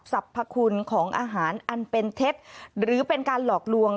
สรรพคุณของอาหารอันเป็นเท็จหรือเป็นการหลอกลวง